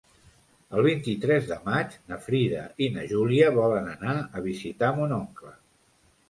El vint-i-tres de maig na Frida i na Júlia volen anar a visitar mon oncle.